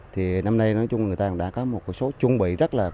thì năm nay nói chung người ta cũng đã có một số chuông bấy rất là